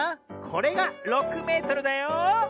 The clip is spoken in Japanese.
これが６メートルだよ。